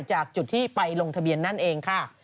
จากจุดที่ไปลงทะเบียนนั่นเองค่ะ